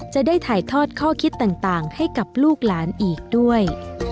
จะได้ถ่ายทอดข้อคิดต่างให้กับลูกหลานอีกด้วย